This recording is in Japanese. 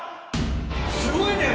すごいね！